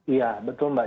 iya betul mbak